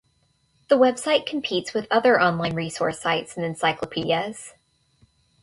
The website competes with other online resource sites and encyclopedias.